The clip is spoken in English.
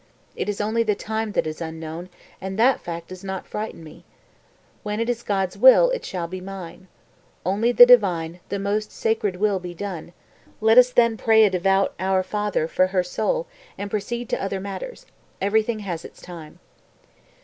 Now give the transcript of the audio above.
It is only the time that is unknown, and that fact does not frighten me. When it is God's will, it shall be mine. Only the divine, the most sacred will be done; let us then pray a devout 'Our Father' for her soul and proceed to other matters; everything has its time."